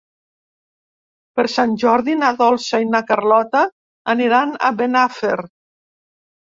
Per Sant Jordi na Dolça i na Carlota aniran a Benafer.